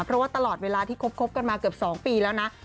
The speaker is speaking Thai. เพราะว่าตลอดเวลาที่คบกันมาเกือบ๒ปีแล้วนะ